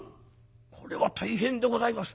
これは大変でございます。